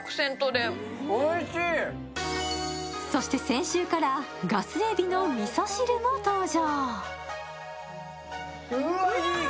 そして先週からがす海老のみそ汁も登場。